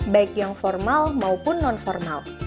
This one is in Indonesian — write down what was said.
baik yang formal maupun non formal